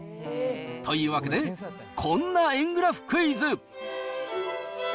というわけで、こんな円グラフクイズ。